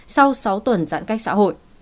sau sáu tuần giãn cách xã hội